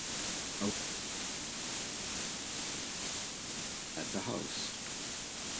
A witness sees the Centipede at the house.